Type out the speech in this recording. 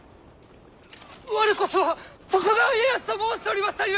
「我こそは徳川家康」と申しておりましたゆえ！